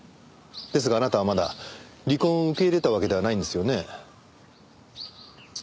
ですがあなたはまだ離婚を受け入れたわけではないんですよね？